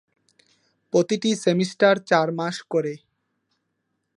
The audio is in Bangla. প্রতিটি সেমিস্টার চার মাস করে।